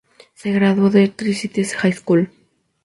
Se graduó de Tri-Cities High School.